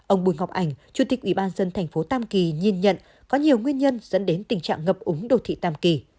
ông bùi ngọc ảnh chủ tịch ủy ban dân thành phố tam kỳ nhìn nhận có nhiều nguyên nhân dẫn đến tình trạng ngập úng đồ thị tam kỳ